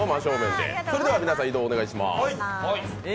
それでは皆さん、移動をお願いします。